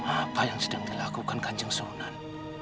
apa yang sedang dilakukan kang jaksunan